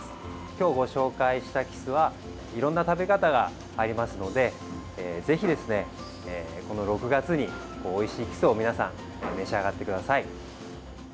今日ご紹介したキスはいろんな食べ方がありますのでぜひ、この６月に皆さんおいしいキスを召し上がってください。